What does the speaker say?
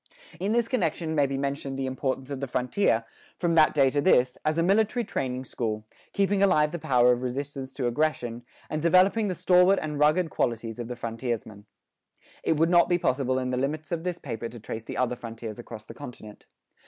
In this connection may be mentioned the importance of the frontier, from that day to this, as a military training school, keeping alive the power of resistance to aggression, and developing the stalwart and rugged qualities of the frontiersman. It would not be possible in the limits of this paper to trace the other frontiers across the continent.